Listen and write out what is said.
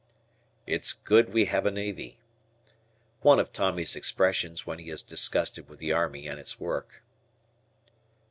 "It's good we have a Navy." One of Tommy's expressions when he is disgusted with the army and its work.